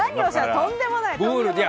とんでもない！